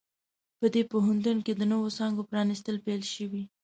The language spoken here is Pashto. په دې پوهنتون کې د نوو څانګو پرانیستل پیل شوي